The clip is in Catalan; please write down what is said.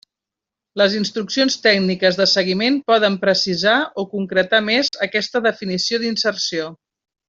Les instruccions tècniques de seguiment poden precisar o concretar més aquesta definició d'inserció.